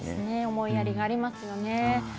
思いやりがありますよね。